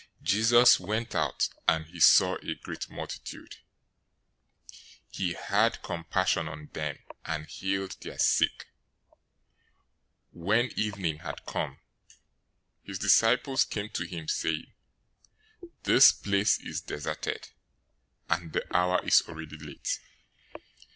014:014 Jesus went out, and he saw a great multitude. He had compassion on them, and healed their sick. 014:015 When evening had come, his disciples came to him, saying, "This place is deserted, and the hour is already late.